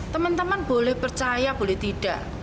teman teman boleh percaya boleh tidak